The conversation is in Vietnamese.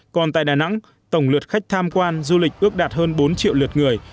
còn tại đà nẵng tổng lượt khách tham quan du lịch ước đạt hơn bốn triệu lượt người